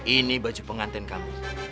ini baju pengantin kamu